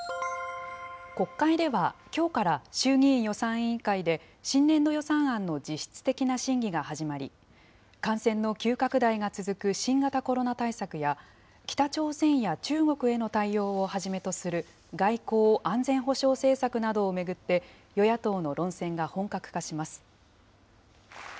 国会では、きょうから衆議院予算委員会で新年度予算案の実質的な審議が始まり、感染の急拡大が続く新型コロナ対策や、北朝鮮や中国への対応をはじめとする外交・安全保障政策などを巡って、与野党の論戦が本格化します。